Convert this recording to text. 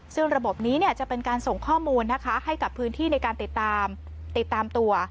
ซึ่งระบบนี้จะเป็นการส่งข้อมูลนะคะให้กับพื้นที่ในการติดตามติดตามตัว